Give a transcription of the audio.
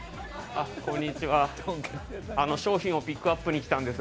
こんにちは、商品をピックアップに来たんですが。